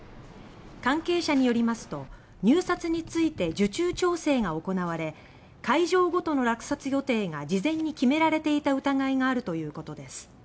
関係者によりますと入札について受注調整が行われ会場ごとの落札予定が事前に決められていた疑いがあるということです。